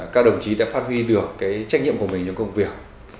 các đồng chí đã phát huy được trách nhiệm của mình trong công việc